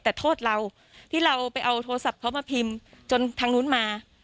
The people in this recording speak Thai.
แต่โทษเราที่เราไปเอาโทรศัพท์เขามาพิมพ์จนทางนู้นมา